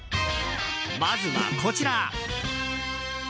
まずは、こちら。